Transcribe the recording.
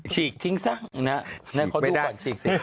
เชียงทิ้งซานดูก่อนเชียงเสียง